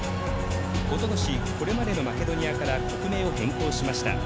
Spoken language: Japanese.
おととしこれまでのマケドニアから国名を変更しました。